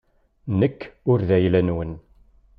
Nekk ur d ayla-nwen.